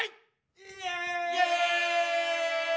イエイ！